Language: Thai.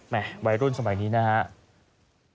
วัยรุ่นสมัยนี้นะครับ